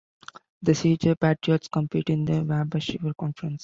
The Seeger Patriots compete in the Wabash River Conference.